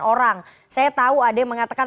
orang saya tahu ada yang mengatakan